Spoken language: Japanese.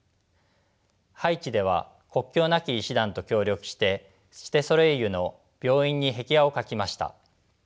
ハイチでは国境なき医師団と協力してシテソレイユの病院に壁画を描きました。